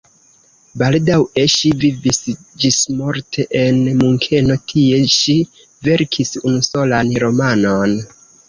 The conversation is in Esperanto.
Baldaŭe ŝi vivis ĝismorte en Munkeno, tie ŝi verkis unusolan romanon.